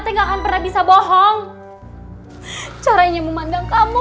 tidak akan pernah bisa bohong caranya memandang kamu